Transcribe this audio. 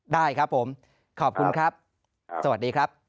ได้ครับผมขอบคุณครับสวัสดีครับ